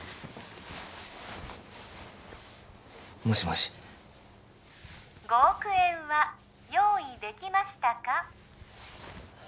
もしもし５億円は用意できましたか？